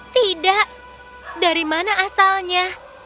tidak dari mana asalnya